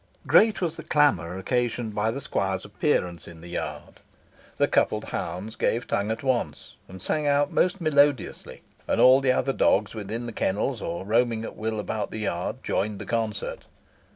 Great was the clamour occasioned by the squire's appearance in the yard. The coupled hounds gave tongue at once, and sang out most melodiously, and all the other dogs within the kennels, or roaming at will about the yard, joined the concert.